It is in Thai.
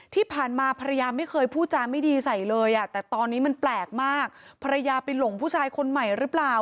ที่ผ่านมาภรรยาไม่เคยพูดจาไม่ดีใส่เลยอ่ะแต่ตอนนี้มันแปลกมากภรรยาไปหลงผู้ชายคนใหม่หรือเปล่า